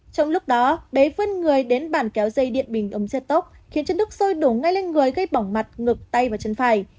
trong lúc đó bé vươn người đến bàn kéo dây điện bình ống xe tốc khiến chân nước sôi đổ ngay lên người gây bỏng mặt ngực tay và chân phải